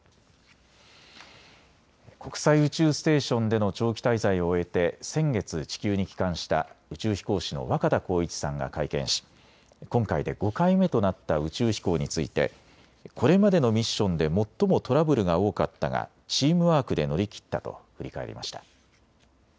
国際宇宙ステーションでの長期滞在を終えて先月、地球に帰還した宇宙飛行士の若田光一さんが会見し今回で５回目となった宇宙飛行についてこれまでのミッションで最もトラブルが多かったがチームワークで乗り切ったと振り返りました。